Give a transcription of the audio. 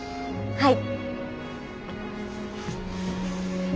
はい。